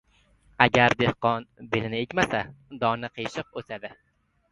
• Agar dehqon belini egmasa, doni qiyshiq o‘sadi.